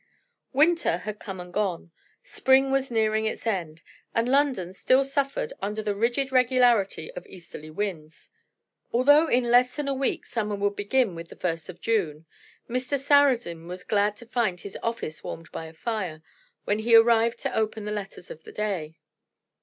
Winter had come and gone; spring was nearing its end, and London still suffered under the rigid regularity of easterly winds. Although in less than a week summer would begin with the first of June, Mr. Sarrazin was glad to find his office warmed by a fire, when he arrived to open the letters of the day.